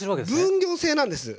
分業制なんです。